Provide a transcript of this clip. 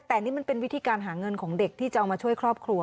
แต่นี่มันเป็นวิธีการหาเงินของเด็กที่จะเอามาช่วยครอบครัว